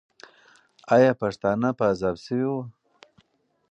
آیا پښتانه په عذاب سوي وو؟